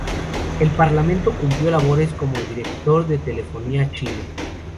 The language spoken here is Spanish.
En paralelo cumplió labores como director de Telefónica Chile.